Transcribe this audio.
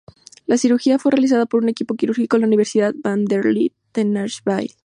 La cirugía fue realizada por un equipo quirúrgico en la Universidad Vanderbilt en Nashville.